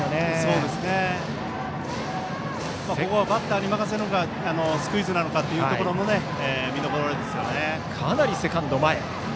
ここはバッターに任せるのかスクイズなのかというところもかなりセカンドは前へ。